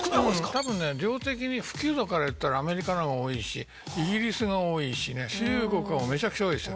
たぶんね量的に普及度から言ったらアメリカの方が多いしイギリスが多いしね中国もめちゃくちゃ多いですよ。